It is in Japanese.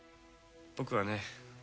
僕はね